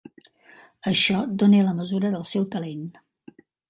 Això dona la mesura del seu talent.